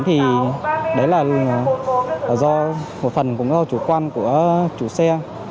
thì đấy là do một phần cũng là chủ quan của chủ xe